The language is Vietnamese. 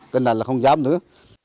cái này là không dám nữa